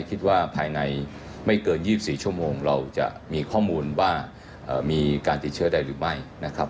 คิดว่าภายในไม่เกิน๒๔ชั่วโมงเราจะมีข้อมูลว่ามีการติดเชื้อใดหรือไม่นะครับ